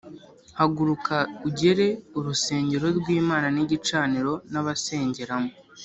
“Haguruka ugere urusengero rw’Imana n’igicaniro n’abasengeramo,